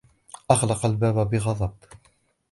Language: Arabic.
أغلق الباب بغضب